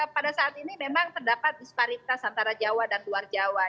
pada saat ini memang terdapat disparitas antara jawa dan luar jawa